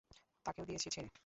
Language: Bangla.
তাকেও দিয়েছি ছেড়ে।